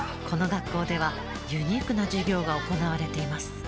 この学校ではユニークな授業が行われています。